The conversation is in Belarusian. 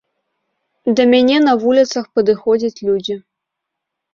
Да мяне на вуліцах падыходзяць людзі.